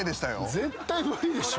絶対無理でしょ。